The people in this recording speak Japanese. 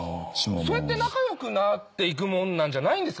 そうやって仲良くなっていくもんなんじゃないんですか？